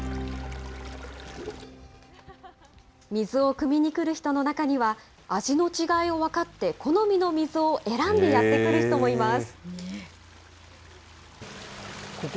水をくみに来る人の中には、味の違いを分かって、好みの水を選んでやって来る人もいます。